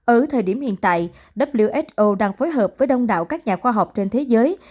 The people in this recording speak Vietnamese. ở thời điểm hiện tại who đang phối hợp với đông đảo các nhà khoa học trên thế giới